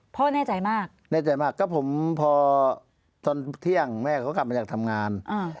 พ่อแน่ใจมากแน่ใจมากก็ผมพอตอนเที่ยงแม่เขากลับมาจากทำงาน